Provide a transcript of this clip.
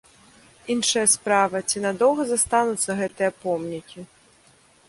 Іншая справа, ці надоўга застануцца гэтыя помнікі?